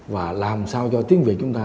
và làm sao cho tiếng việt chúng ta